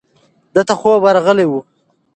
ده ته خوب ورغلی و.